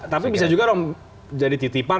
tapi bisa juga dong jadi titipan